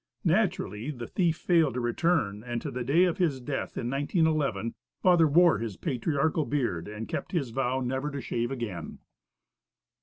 Naturally the thief failed to return, and to the day of his death in 1911, father wore his patriarchial beard, and kept his vow never to shave again.